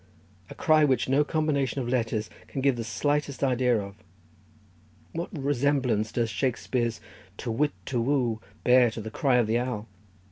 a cry which no combination of letters can give the slightest idea of. What resemblance does Shakespear's to whit to whoo bear to the cry of the owl?